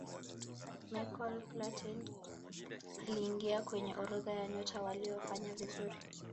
michael platin aliingia kwenye orodha ya nyota waliofanya vizuri